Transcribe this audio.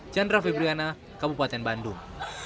jendral fibriana kabupaten bandung